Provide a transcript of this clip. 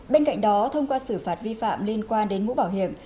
bên cạnh đó thông qua xử phạt vi phạm liên quan đến mũ bảo hiểm